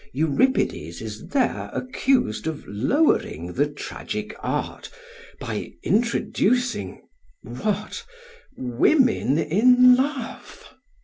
Euripides is there accused of lowering the tragic art by introducing what? Women in love!